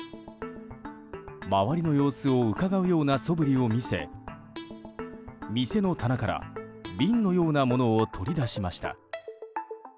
周りの様子をうかがうようなそぶりを見せ店の棚から瓶のようなものを取り出しました。